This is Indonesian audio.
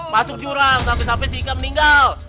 masuk jurang sampai sampai si ika meninggal